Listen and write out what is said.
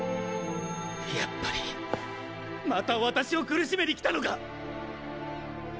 やっぱりまた私を苦しめに来たのか！